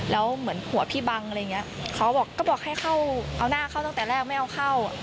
แล้วเหมือนหัวพี่บังอะไรอย่างเงี้ยเขาก็บอกก็บอกให้เข้าเอาหน้าเข้าตั้งแต่แรกไม่เอาเข้า